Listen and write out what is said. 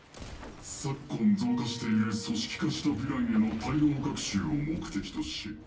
「昨今増加している組織化したヴィランへの対応学習を目的とし」。